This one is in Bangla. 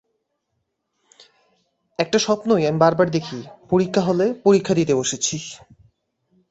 একটা স্বপ্নই আমি বারবার দেখি-পরীক্ষা হলে পরীক্ষা দিতে বসেছি।